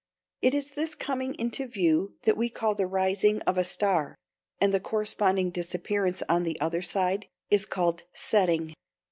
It is this coming into view that we call the rising of a star; and the corresponding disappearance on the other side is called setting.